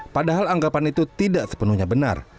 padahal anggapan itu tidak sepenuhnya benar